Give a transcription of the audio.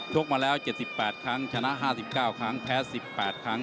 กมาแล้ว๗๘ครั้งชนะ๕๙ครั้งแพ้๑๘ครั้ง